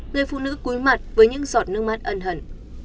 người phụ nữ cúi mặt với những giọt nước mắt ân hẳn